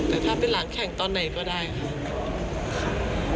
แต่ถ้าเป็นหลังแข่งตอนไหนก็ได้ค่ะ